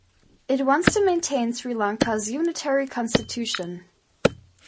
It wants to maintain Sri Lanka's unitary constitution.